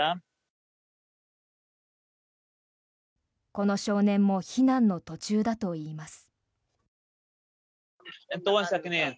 この少年も避難の途中だといいます。